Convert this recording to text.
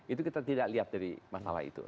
itu kita tidak lihat dari masalah itu